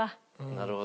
なるほど。